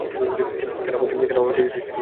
কেন, আমাকে বিশেষ কিছু করতে বলছো?